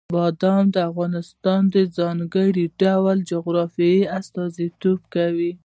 بادام د افغانستان د ځانګړي ډول جغرافیې استازیتوب کوي.